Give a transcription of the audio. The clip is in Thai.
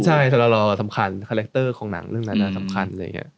ใช่สละละลอสำคัญคาแร็กเตอร์ของหนังเรื่องนั้นสำคัญ